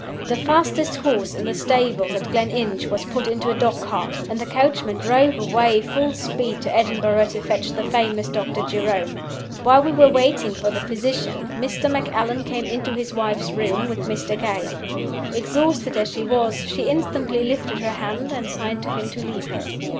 "The fastest horse in the stables at Gleninch was put into a dog cart, and the coachman drove away full speed to Edinburgh to fetch the famous Doctor Jerome. "While we were waiting for the physician, Mr. Macallan came into his wife's room with Mr. Gale. Exhausted as she was, she instantly lifted her hand and signed to him to leave her.